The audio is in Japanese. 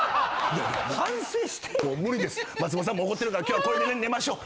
「いやもう無理です松本さんも怒ってるから今日はこれで寝ましょう」。